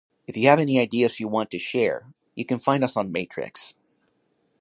If you have ideas you want to share, you can find us on Matrix.